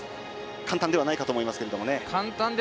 簡単ではないかと思いますけどね。